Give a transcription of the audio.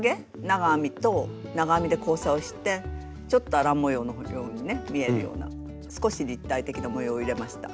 長編みと長編みで交差をしてちょっとアラン模様のようにね見えるような少し立体的な模様を入れました。